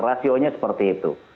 rasionya seperti itu